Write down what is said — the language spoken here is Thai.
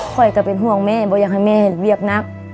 ก่อนที่ก็เป็นห่วงแม่ไม่อยากให้แม่เวียกนัก